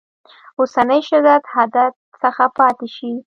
اوسني شدت حدت څخه پاتې شي.